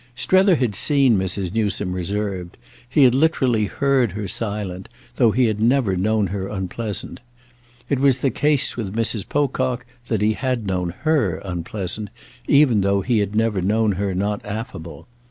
Strether had seen Mrs. Newsome reserved; he had literally heard her silent, though he had never known her unpleasant. It was the case with Mrs. Pocock that he had known her unpleasant, even though he had never known her not affable.